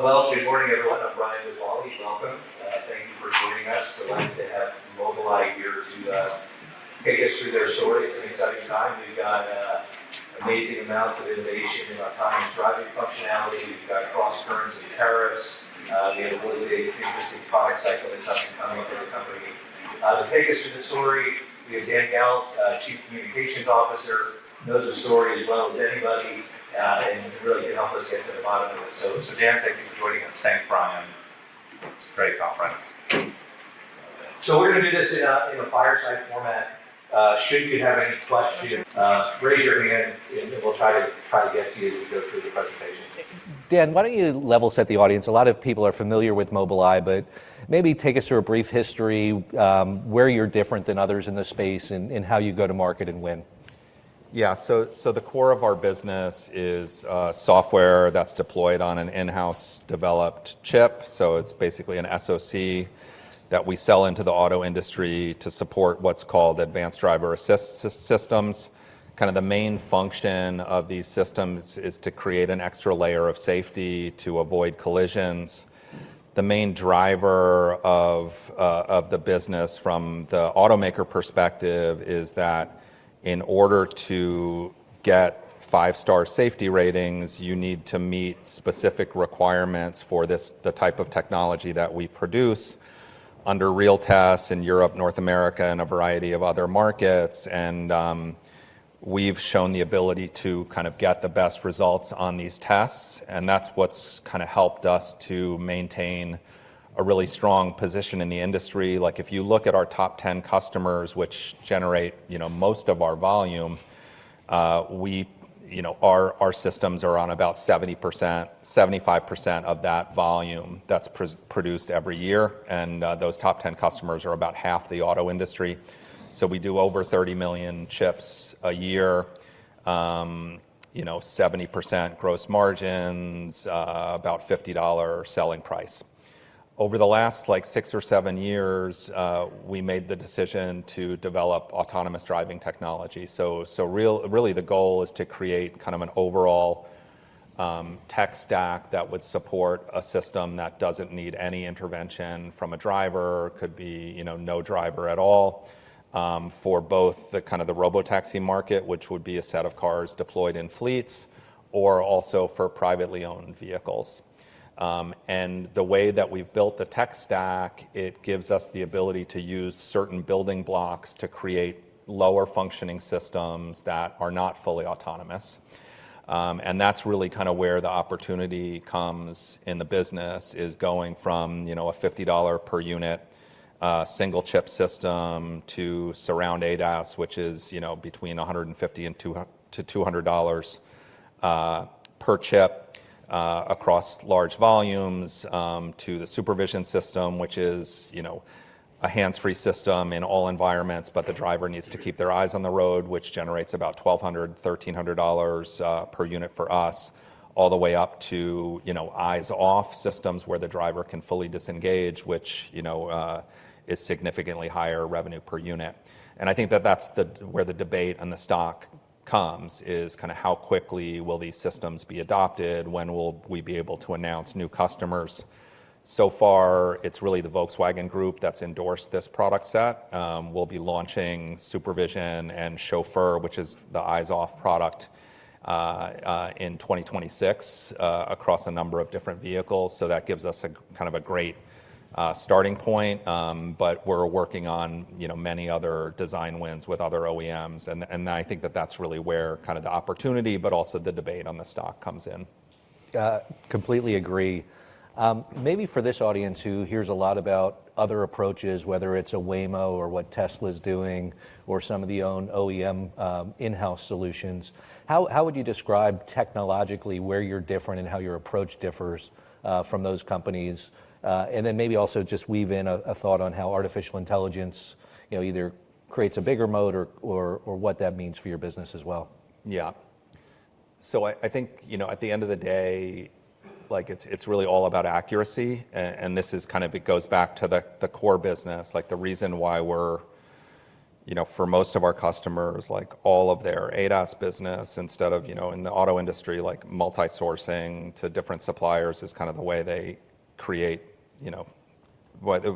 Good morning everyone, I'm Brian Drab. Welcome. Thank you for joining us. Delighted to have Mobileye here to take us through their story. It's an exciting time. We've got amazing amounts of innovation in autonomous driving functionality. We've got cross currents and tariffs. We have a really big interesting product cycle that's up and coming for the company. To take us through the story, we have Dan Galves, Chief Communications Officer, who knows the story as well as anybody and really can help us get to the bottom of it, so Dan, thank you for joining us. Thanks, Brian. Great conference. We're going to do this in a fireside format. Should you have any questions, raise your hand and we'll try to get to you as we go through the presentation. Dan, why don't you level set the audience. A lot of people are familiar with Mobileye but maybe take us through a brief history where you're different than others in this space and how you go to market and win. Yeah, so the core of our business is software that's deployed on an in-house developed chip, so it's basically a SoC that we sell into the auto industry to support what's called Advanced Driver Assistance Systems. Kind of the main function of these systems is to create an extra layer of safety to avoid collisions. The main driver of the business from the automaker perspective is that in order to get 5-star safety ratings you need to meet specific requirements for this. The type of technology that we produce under real tests in Europe, North America and a variety of other markets, and we've shown the ability to kind of get the best results on these tests and that's what's kind of helped us to maintain a really strong position in the industry. Like if you look at our top 10 customers which generate, you know, most of our volume, we, you know, our systems are on about 70%-75% of that volume that's produced every year. Those top 10 customers are about half the auto industry. We do over 30 million chips a year. You know, 70% gross margins, about $50 selling price. Over the last like six or seven years we made the decision to develop autonomous driving technology. So really the goal is to create kind of an overall tech stack that would support a system that doesn't need any intervention from a driver. Could be no driver at all for both the kind of the robotaxi market which would be a set of cars deployed in fleets or also for privately owned vehicles. And the way that we've built the tech stack it gives us the ability to use certain building blocks to create lower functioning systems that are not fully autonomous. And that's really kind of where the opportunity comes in. The business is going from a $50 per unit single chip system to Surround ADAS, which is between $150 and $200. Per chip across large volumes, to the SuperVision system, which is, you know, a hands-free system in all environments. But the driver needs to keep their eyes on the road, which generates about $1,200-$1,300 per unit for us, all the way up to, you know, eyes-off systems where the driver can fully disengage, which you know, is significantly higher revenue per unit. And I think that that's the, where the debate and the stock comes is kind of how quickly will these systems be adopted? When will we be able to announce new customers? So far it's really the Volkswagen Group that's endorsed this product set. We'll be launching SuperVision and Chauffeur, which is the eyes-off product in 2026 across a number of different vehicles. So that gives us a kind of a great starting point. But we're working on, you know, many other design wins with other OEMs. And I think that that's really where kind of the opportunity of the debate on the stock comes in. Completely agree. Maybe for this audience who hears a lot about other approaches, whether it's a Waymo or what Tesla is doing or some of their own OEM in-house solutions. How would you describe technologically where you're different and how your approach differs from those companies and then maybe also just weave in a thought on how artificial intelligence either creates a bigger moat or what that means for your business as well? Yeah, so I think, you know, at the end of the day, like it's really all about accuracy, and this is kind of it goes back to the core business, like the reason why we're, you know, for most of our customers, like all of their ADAS business instead of, you know, in the auto industry, like multi sourcing to different suppliers is kind of the way they create, you know,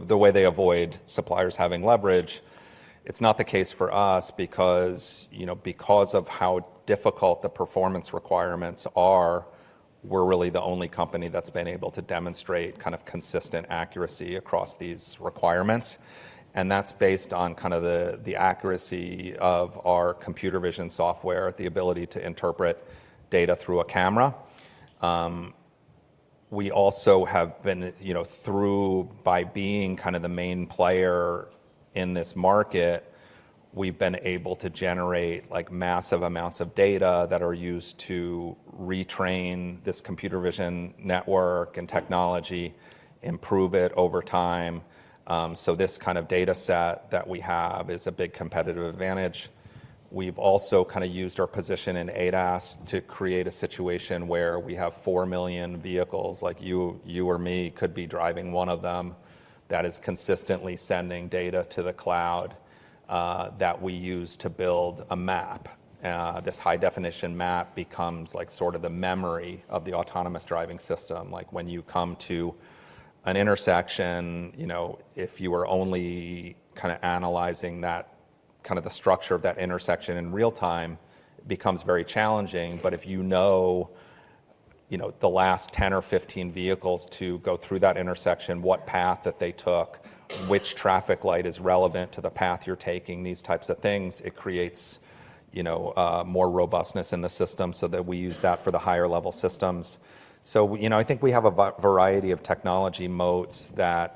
the way they avoid suppliers having leverage. It's not the case for us because, you know, because of how difficult the performance requirements are, we're really the only company that's been able to demonstrate kind of consistent accuracy across these requirements. And that's based on kind of the accuracy of our computer vision software, the ability to interpret data through a camera. We also have been, you know, through by being kind of the main player in this market. We've been able to generate like massive amounts of data that are used to retrain this computer vision network and technology, improve it over time. So this kind of data set that we have is a big competitive advantage. We've also kind of used our position in ADAS to create a situation where we have four million vehicles like you or me could be driving one of them that is consistently sending data to the cloud that we use to build a map. This high definition map becomes like sort of the memory of the autonomous driving system. Like when you come to an intersection, you know, if you are only kind of analyzing that kind of the structure of that intersection in real time becomes very challenging. But if, you know, the last 10 or 15 vehicles to go through that intersection, what path that they took, which traffic light is relevant to the path you're taking, these types of things, it creates, you know, more robustness in the system so that we use that for the higher level systems. So, you know, I think we have a variety of technology moats that,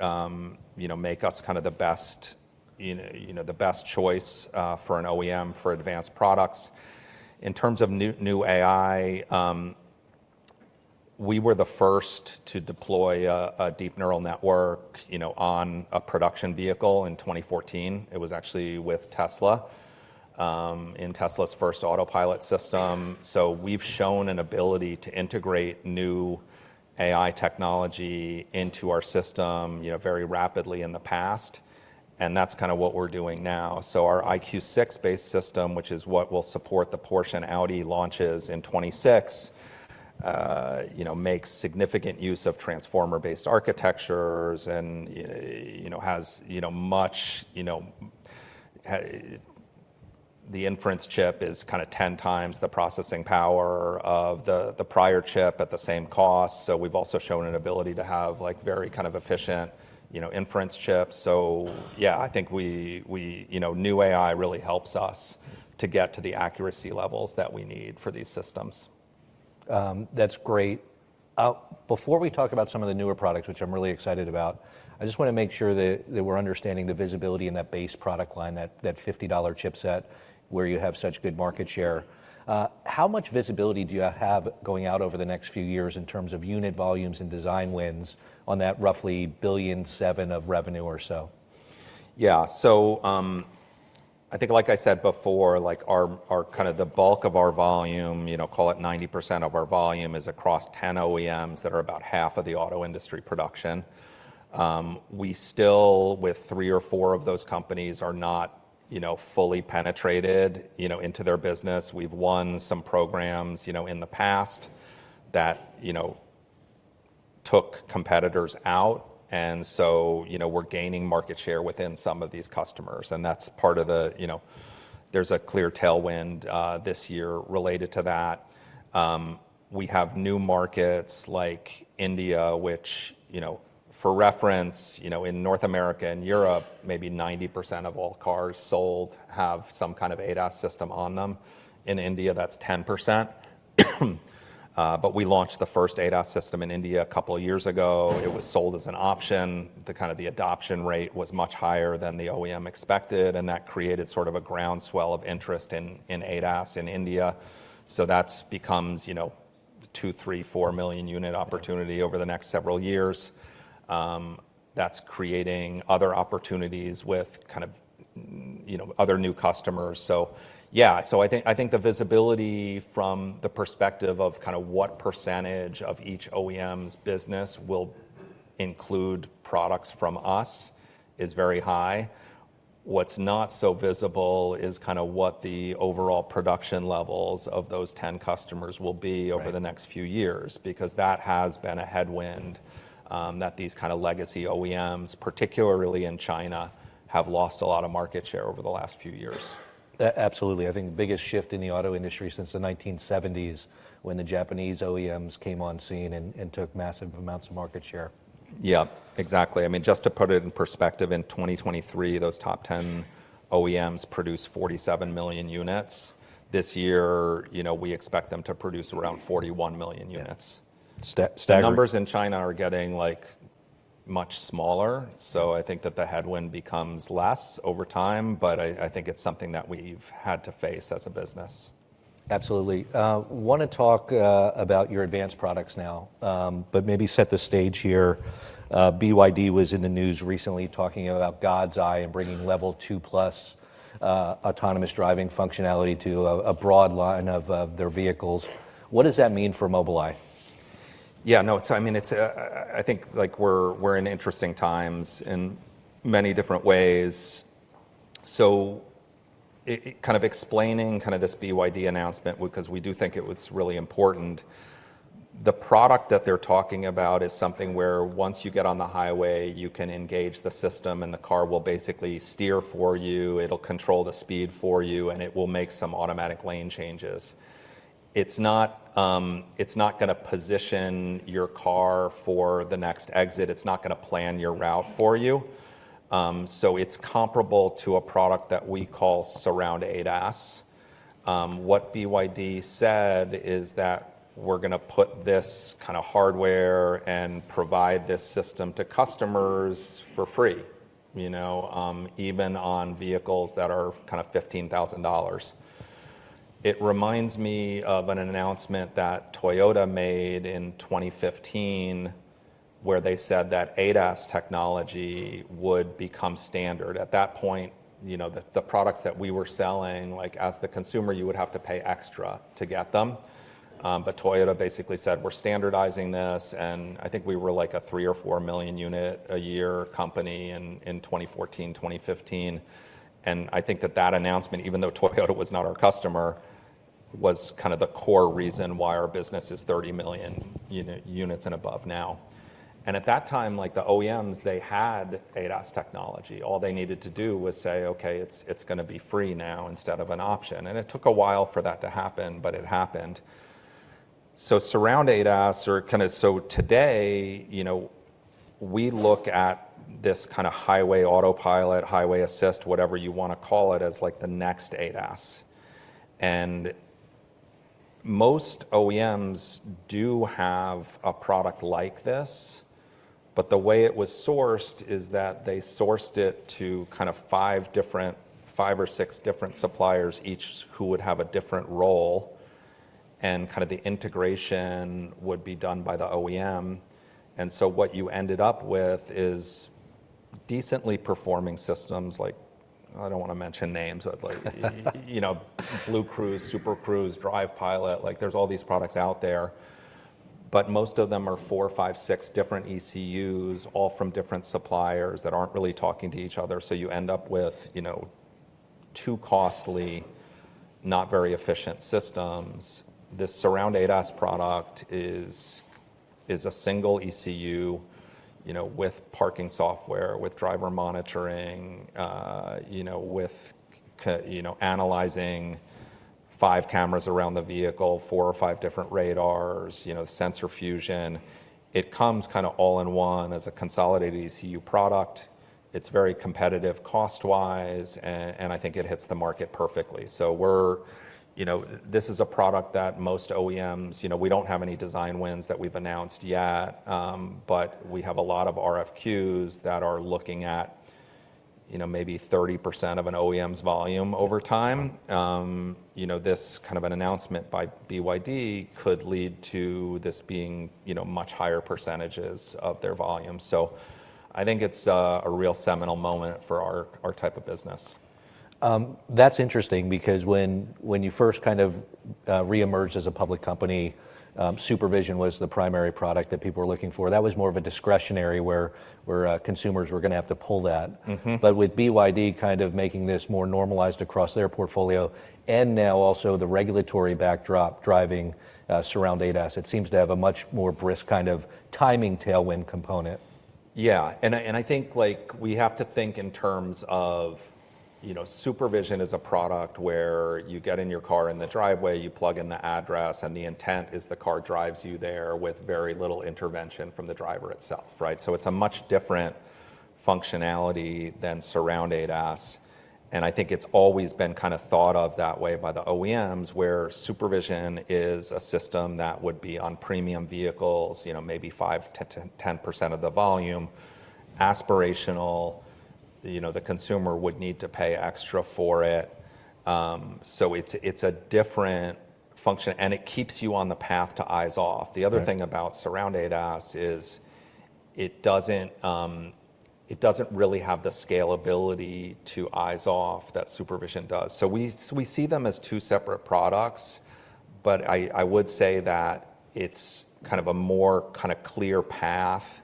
you know, make us kind of the best, you know, the best choice for an OEM for advanced products. In terms of new AI. We were the first to deploy a deep neural network, you know, on a production vehicle in 2014. It was actually with Tesla in Tesla's first Autopilot system. So we've shown an ability to integrate new AI technology into our system, you know, very rapidly in the past and that's kind of what we're doing now. So our EyeQ6 based system, which is what will support the Porsche and Audi launches in 2026, you know, makes significant use of transformer based architectures and you know, has, you know, much, you know. The inference chip is kind of 10 times the processing power of the prior chip at the same cost. So we've also shown an ability to have like very kind of efficient, you know, inference chips. So yeah, I think we, you know, new AI really helps us to get to the accuracy levels that we need for these systems. That's great. Before we talk about some of the newer products, which I'm really excited about, I just want to make sure that we're understanding the visibility in that base product line, that $50 chipset where you have such good market share, how much visibility do you have going out over the next few years in terms of unit volumes and design wins on that roughly $1.7 billion of revenue or so? Yeah, so I think like I said before, like our kind of the bulk of our volume, you know, call it 90% of our volume is across 10 OEMs that are about half of the auto industry production. We still, with three or four of those companies, are not, you know, fully penetrated, you know, into their business. We've won some programs, you know, in the past that, you know, took competitors out. And so, you know, we're gaining market share within some of these customers. And that's part of the, you know, there's a clear tailwind this year related to that. We have new markets like India, which, you know, for reference, you know, in North America and Europe, maybe 90% of all cars sold have some kind of ADAS system on them. In India, that's 10%. But we launched the first ADAS system in India a couple of years ago. It was sold as an option. The adoption rate was much higher than the OEM expected. And that created sort of a groundswell of interest in ADAS in India. So that becomes, you know, two, three, four million unit opportunity over the next several years. That's creating other opportunities with kind of, you know, other new customers. So, yeah, so I think the visibility from the perspective of kind of what percentage of each OEM's business will include products from us is very high. What's not so visible is kind of what the overall production levels of those 10 customers will be for the next few years. Because that has been a headwind that these kind of legacy OEMs, particularly in China, have lost a lot of market share over the last few years. Absolutely. I think the biggest shift in the auto industry since the 1970s when the Japanese OEMs came on scene and took massive amounts of market share. Yeah, exactly. I mean, just to put it in perspective, in 2023, those top 10 OEMs produced 47 million units. This year, we expect them to produce around 41 million units. Numbers in China are getting much smaller. So I think that the headwind becomes less over time, but I think it's something that we've had to face as a business. Absolutely. Want to talk about your advanced products now, but maybe set the stage here. BYD was in the news recently talking about God's Eye and bringing Level 2 plus autonomous driving functionality to a broad line of their vehicles. What does that mean for Mobileye? Yeah, no, it's, I mean, I think, like we're in interesting times in many different ways. So kind of explaining this BYD announcement, because we do think it was really important. The product that they're talking about is something where once you get on the highway, you can engage the system and the car will basically steer for you, it'll control the speed for you and it will make some automatic lane changes. It's not going to position your car for the next exit. It's not going to plan your route for you. It's comparable to a product that we call Surround ADAS. What BYD said is that we're going to put this kind of hardware and provide this system to customers for free, you know, even on vehicles that are kind of $15,000. It reminds me of an announcement that Toyota made in 2015 where they said that ADAS technology would become standard at that point. You know, the products that we were selling, like as the consumer, you would have to pay extra to get them. But Toyota basically said, we're standardizing this. I think we were like a three or four million unit a year company in 2014, 2015. I think that that announcement, even though Toyota was not our customer, was kind of the core reason why our business is 30 million units and above now. At that time, like the OEMs, they had ADAS technology. All they needed to do was say, okay, it's going to be free now, instead of an option. It took a while for that to happen, but it happened. Surround ADAS or kind of. Today. We look at this kind of highway autopilot, highway assist, whatever you want to call it, as like the next ADAS. And most OEMs do have a product like this, but the way it was sourced is that they sourced it to kind of five different, five or six different suppliers, each who would have a different role and kind of the integration would be done by the OEM. And so what you ended up with is decently performing systems. Like, I don't want to mention names. BlueCruise, Super Cruise, DRIVE PILOT. Like there's all these products out there, but most of them are four, five, six different ECUs, all from different suppliers that aren't really talking to each other. So you end up with too costly, not very efficient systems. This Surround ADAS product is a single ECU, you know, with parking software, with driver monitoring, you know, with, you know, analyzing five cameras around the vehicle, four or five different radars, you know, sensor fusion. It comes kind of all in one as a consolidated ECU product. It's very competitive, cost wise, and I think it hits the market perfectly. So we're, you know, this is a product that most OEMs, you know, we don't have any design wins that we've announced yet, but we have a lot of RFQs that are looking at you know, maybe 30% of an OEM's volume over time. You know, this kind of an announcement by BYD could lead to this being, you know, much higher percentages of their volume. So I think it's a real seminal moment for our, our type of business. That's interesting because when you first kind of reemerged as a public company, SuperVision was the primary product that people were looking for that was more of a discretionary where consumers were going to have to pull that. But with BYD kind of making this more normalized across their portfolio. And now also the regulatory backdrop, driving Surround ADAS, it seems to have a much more brisk kind of timing, tailwind component. Yeah. And I think like we have to think in terms of, you know, SuperVision is a product where you get in your car in the driveway, you plug in the address and the intent is the car drives you there with very little intervention from the driver itself. Right. So it's a much different functionality than Surround ADAS. And I think it's always been kind of thought of that way by the OEMs where SuperVision is a system that would be on premium vehicles, you know, maybe 5%-10% of the volume, aspirational, you know, the consumer would need to pay extra for it. So it's a different function and it keeps you on the path to eyes off. The other thing about Surround ADAS is. It doesn't really have the scalability to eyes-off that SuperVision does. So we see them as two separate products. But I would say that it's kind of a more clear path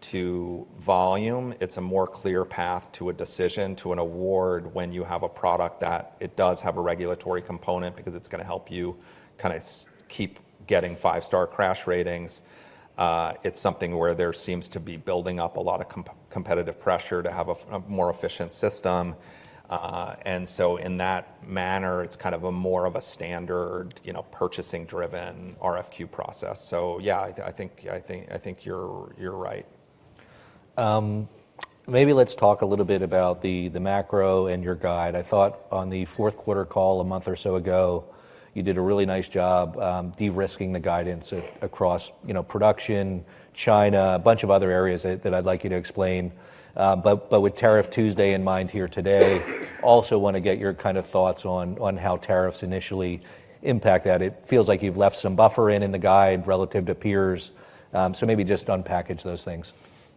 to volume. It's a more clear path to a decision to an award when you have a product that it does have a regulatory component because it's going to help you kind of keep getting five-star crash ratings. It's something where there seems to be building up a lot of competitive pressure to have a more efficient system. And so in that manner it's kind of a more of a standard purchasing driven RFQ process. So yeah, I think you're right. Maybe. Let's talk a little bit about the macro and your guide. I thought on the fourth quarter call a month or so ago, you did a really nice job de-risking the guidance across, you know, production China. A bunch of other areas that I'd like you to explain. But with Tariff Tuesday in mind here today, also want to get your kind of thoughts on how tariffs initially impact that. It feels like you've left some buffer in the guide relative to peers. So maybe just unpack those things.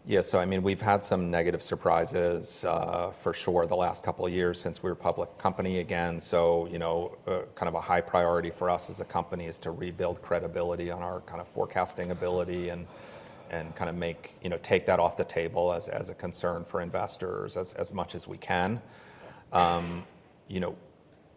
Yeah, so, I mean, we've had some negative surprises for sure the last couple of years since we were public company again, so you know, kind of a high priority for us as a company is to rebuild credibility on our kind of forecasting ability and kind of make, you know, take that off the table as a concern for investors as much as we can. You know,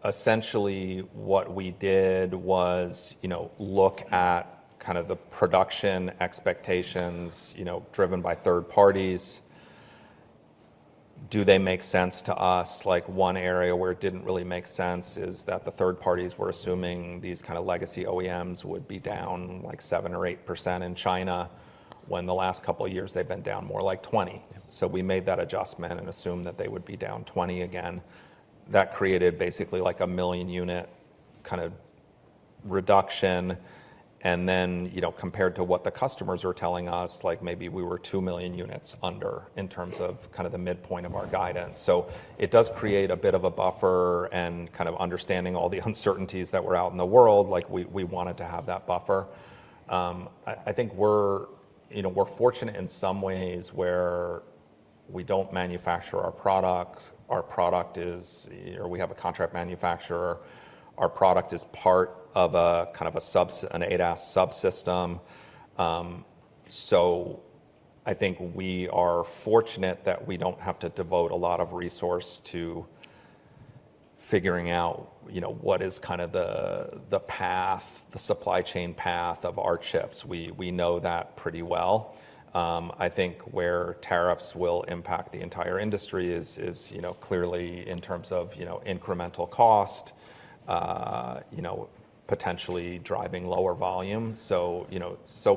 essentially what we did was, you know, look at kind of the production expectations, you know, driven by third parties. Do they make sense to us? Like, one area where it didn't really make sense is that the third parties were assuming these kind of legacy OEMs would be down like 7% or 8% in China, when the last couple of years they've been down more like 20%. So we made that adjustment and assumed that they would be down 20% again. That created basically like a million unit kind of reduction. And then, you know, compared to what the customers were telling us, like maybe we were 2 million units under in terms of kind of the midpoint of our guidance. So it does create a bit of a buffer and kind of understanding all the uncertainties that were out in the world. Like we wanted to have that buffer. I think we're, you know, we're fortunate in some ways where we don't manufacture our products. Our product is, or we have a contract manufacturer. Our product is part of a kind of an ADAS subsystem. So I think we are fortunate that we don't have to devote a lot of resource to figuring out, you know, what is kind of the path, the supply chain path of our chips. We know that. I think where tariffs will impact the entire industry is clearly in terms of incremental cost. Potentially driving lower volume. So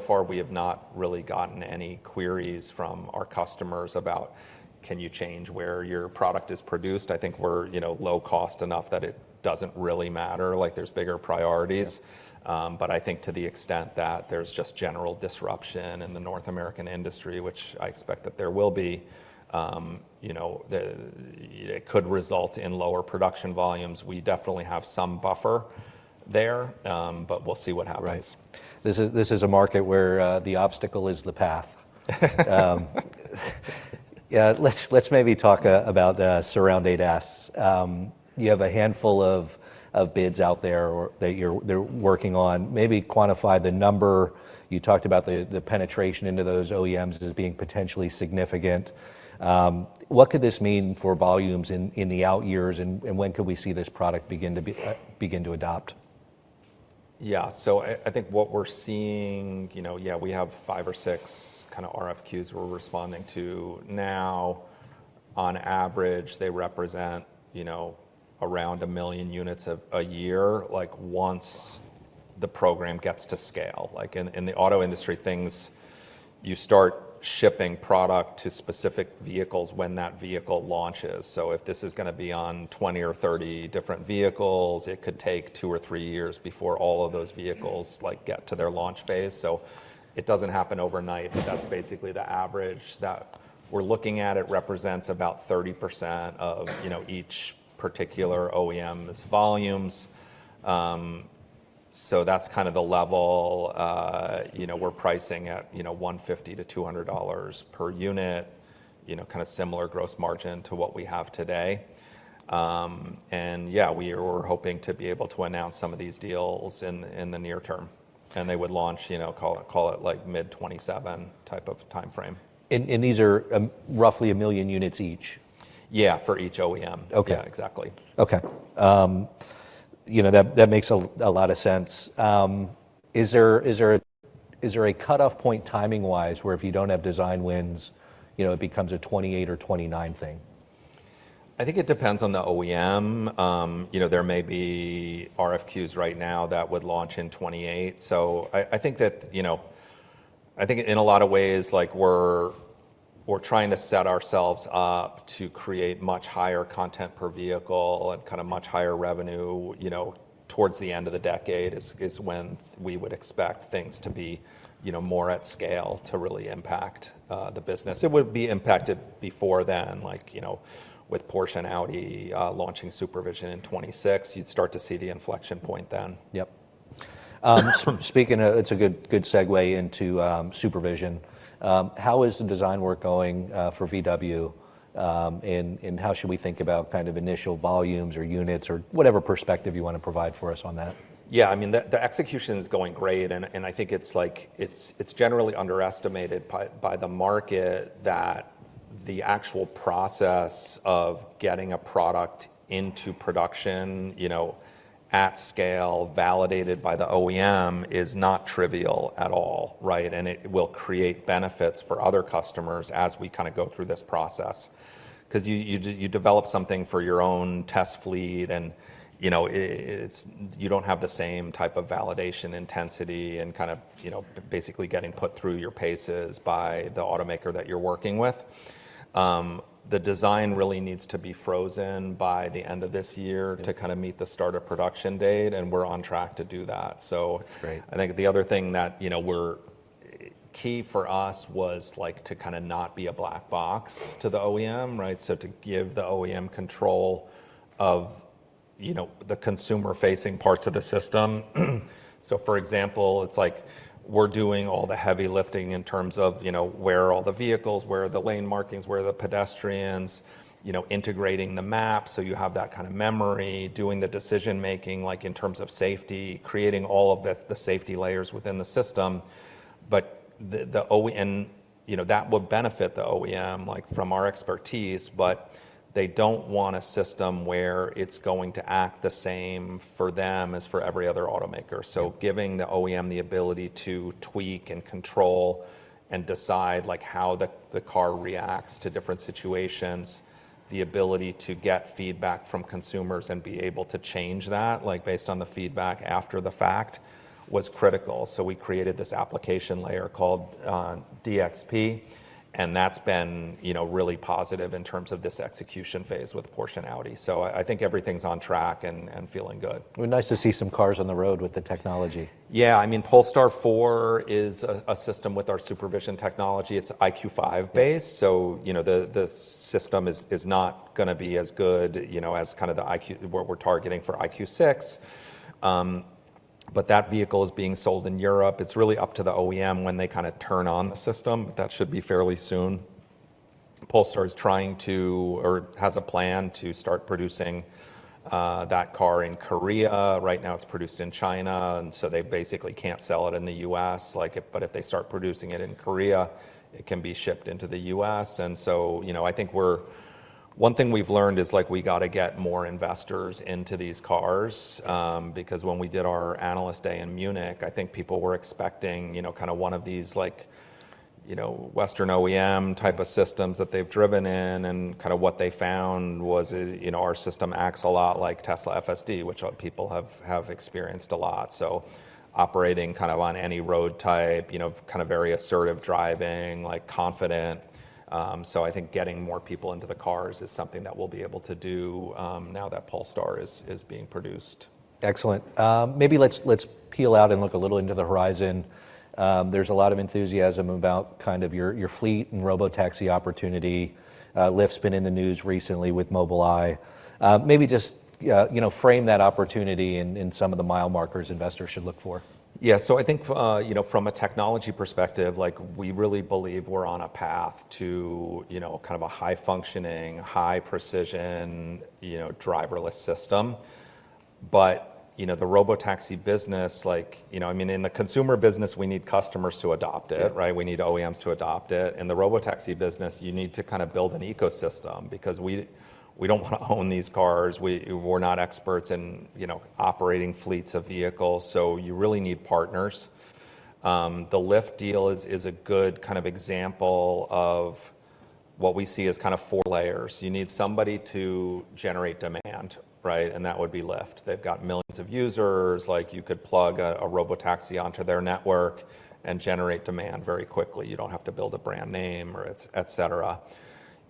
far we have not really gotten any queries from our customers about can you change where your product is produced. I think we're low cost enough that it doesn't really matter. There's bigger priorities. But I think to the extent that there's just general disruption in the North American industry, which I expect that there will be, you know, it could result in lower production volumes. We definitely have some buffer there, but we'll see what happens. This is a market where the obstacle is the path. Let's maybe talk about Surround ADAS. You have a handful of bids out there that you're working on. Maybe quantify the number. You talked about the penetration into those OEMs as being potentially significant. What could this mean for volumes in the out years? And when could we see this product begin to adopt. Yeah. So I think what we're seeing, you know, yeah, we have five or six kind of RFQs we're responding to now. On average, they represent, you know, around a million units a year. Like, once the program gets to scale, like in the auto industry things, you start shipping product to specific vehicles when that vehicle launches. So if this is going to be on 20 or 30 different vehicles, it could take two or three years before all of those vehicles, like, get to their launch phase. So it doesn't happen overnight. That's basically the average that we're looking at. It represents about 30% of each particular OEM volumes. So that's kind of the level, you know, we're pricing at, you know, $150-$200 per unit, you know, kind of similar gross margin to what we have today. Yeah, we are hoping to be able to announce some of these deals in the near term. They would launch, you know, call it. Call it like mid 27 type of time frame. These are roughly a million units each. Yeah, for each OEM. Okay. Exactly. Okay. You know, that makes a lot of sense. Is there a cutoff point, time-wise, where if you don't have design wins, you know, it becomes a 28 or 29 thing? I think it depends on the OEM. You know, there may be RFQs right now that would launch in 2028. So I think that, you know, I think in a lot of ways, like, we're trying to set ourselves up to create much higher content per vehicle and kind of much higher revenue. You know, towards the end of the decade is when we would expect things to be, you know, more at scale to really impact the business. It would be impacted before then. Like, you know, with Porsche and Audi launching SuperVision in 2026, you'd start to see the inflection point then. Yep. Speaking of, it's a good, good segue into SuperVision. How is the design work going for VW and how should we think about kind of initial volumes or units or whatever perspective you want to provide for us on that? Yeah, I mean, the execution is going great, and I think it's like, it's generally underestimated by the market that the actual process of getting a product into production, you know, at scale, validated by the OEM is not trivial at all, right, and it will create benefits for other customers as we kind of go through this process, because you develop something for your own test fleet and, you know, it's, you don't have the same type of validation intensity and kind of, you know, basically getting put through your paces by the automaker that you're working with. The design really needs to be frozen by the end of this year to kind of meet the start of production date, and we're on track to do that. So I think the other thing that, you know, we're key for us was like to kind of not be a black box to the OEM. Right, so to give the OEM control of, you know, the consumer-facing parts of the system. So, for example, it's like we're doing all the heavy lifting in terms of, you know, where are all the vehicles, where are the lane markings, where are the pedestrians, you know, integrating the map. So you have that kind of memory doing the decision-making, like in terms of safety, creating all of the safety layers within the system, but the OEM, and you know, that would benefit the OEM like from our expertise. But they don't want a system where it's going to act the same for them as for every other automaker. So giving the OEM the ability to tweak and control and decide like, how the car reacts to different situations, the ability to get feedback from consumers and be able to change that, like, based on the feedback after the fact was critical. So we created this application layer called DXP and that's been really positive in terms of this execution phase with Porsche and Audi. So I think everything's on track and feeling good. Nice to see some cars on the road with the technology. Yeah, I mean, Polestar 4 is a system with our SuperVision technology. It's EyeQ5 based. So, you know, the system is not going to be as good, you know, as kind of the EyeQ6 what we're targeting for EyeQ6. But that vehicle is being sold in Europe. It's really up to the OEM when they kind of turn on the system. That should be fairly soon. Polestar is trying to or has a plan to start producing that car in Korea. Right now it's produced in China and so they basically can't sell it in the U.S. like, but if they start producing it in Korea, it can be shipped into the U.S. and so, you know, I think we're. One thing we've learned is like, we got to get more investors into these cars. Because when we did our analyst day in Munich, I think people were expecting, you know, kind of one of these, like, you know, western OEM type of systems that they've driven in and kind of what they found was, you know, our system acts a lot like Tesla FSD, which people have experienced a lot. So operating kind of on any road type, you know, kind of very assertive driving, like confident. So I think getting more people into the cars is something that we'll be able to do now that Polestar is being produced. Excellent. Maybe let's peel out and look a little into the horizon. There's a lot of enthusiasm about kind of your fleet and robotaxi opportunity. Lyft's been in the news recently with Mobileye. Maybe just frame that opportunity in some of the mile markers investors should look for. Yeah, so I think from a technology perspective, we really believe we're on a path to kind of a high functioning, high precision driverless system. But the robotaxi business, I mean in the consumer business, we need customers to adopt it, right? We need OEMs to adopt it. In the robotaxi business you need to kind of build an ecosystem because we don't want to own these cars. We're not experts in, you know, operating fleets of vehicles. So you really need partners. The Lyft deal is a good kind of example of what we see as kind of four layers. You need somebody to generate demand, right? And that would be Lyft. They've got millions of users. Like you could plug a robotaxi onto their network and generate demand very quickly. You don't have to build a brand name or it's et cetera.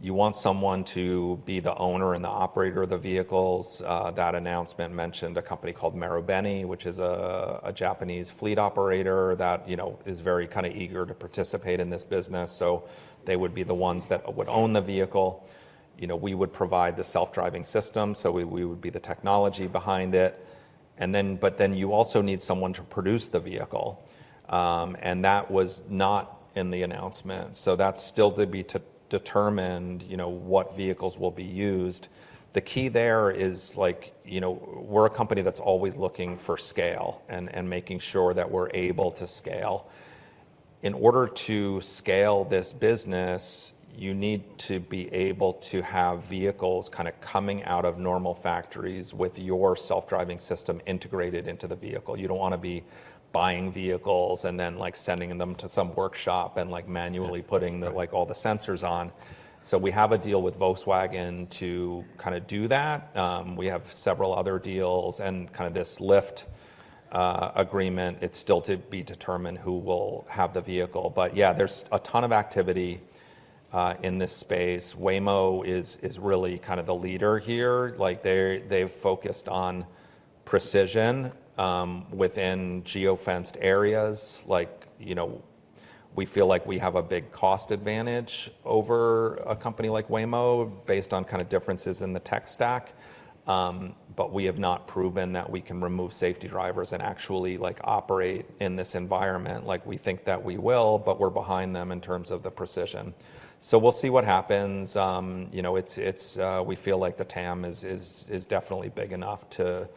You want someone to be the owner and the operator of the vehicles. That announcement mentioned a company called Marubeni, which is a Japanese fleet operator that, you know, is very kind of eager to participate in this business. So they would be the ones that would own the vehicle. You know, we would provide the self driving system so we would be the technology behind it. And then, but then you also need someone to produce the vehicle and that was not in the announcement. So that's still to be determined, you know, what vehicles will be used. The key there is like, you know, we're a company that's always looking for scale and making sure that we're able to scale. In order to scale this business, you need to be able to have vehicles kind of coming out of normal factories with your self-driving system integrated into the vehicle. You don't want to be buying vehicles and then like sending them to some workshop and like manually putting the like all the sensors on. So we have a deal with Volkswagen to kind of do that. We have several other deals and kind of this Lyft agreement, it's still to be determined who will have the vehicle. But yeah, there's a ton of activity in this space. Waymo is really kind of the leader here. Like, they, they've focused on precision within geofenced areas. Like, you know, we feel like we have a big cost advantage over a company like Waymo based on kind of differences in the tech stack. But we have not proven that we can remove safety drivers and actually like operate in this environment like we think that we will. But we're behind them in terms of the precision. So we'll see what happens. You know, it's. We feel like the TAM is definitely big enough to.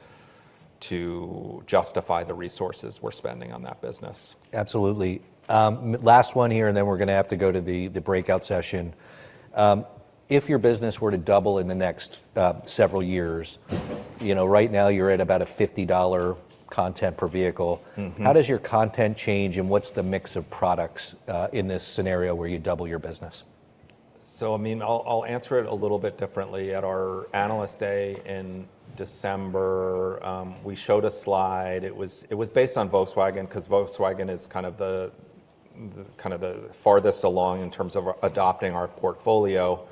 Justify the resources we're spending on that business. Absolutely. Last one here and then we're going to have to go to the breakout session. If your business were to double in the next several years, right now you're at about $50 content per vehicle. How does your content change and what's the mix of products in this scenario where you double your business? Business. So I mean, I'll answer it a little bit differently. At our analyst day in December, we showed a slide. It was based on Volkswagen because Volkswagen is kind of the farthest along in terms of adopting our portfolio.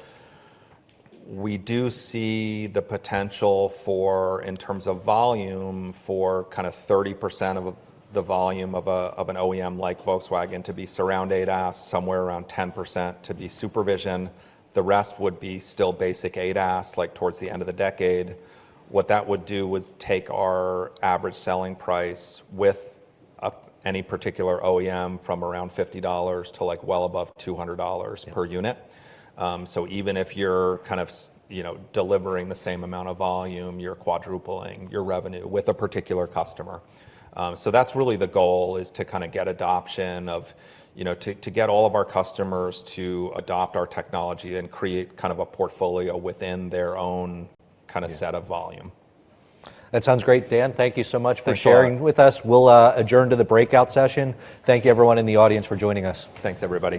We do see the potential for, in terms of volume, for kind of 30% of the volume of an OEM like Volkswagen to be Surround ADAS somewhere around 10% to be SuperVision. The rest would be still basic ADAS like towards the end of the decade. What that would do was take our average selling price with any particular OEM from around $50 to like well above $200 per unit. So even if you're kind of, you know, delivering the same amount of volume, you're quadrupling your revenue with a particular customer. That's really the goal is to kind of get adoption of, you know, to get all of our customers to adopt our technology and create kind of a portfolio within their own kind of set of volume. That sounds great, Dan. Thank you so much for sharing with us. We'll adjourn to the breakout session. Thank you everyone in the audience for joining us. Thanks everybody.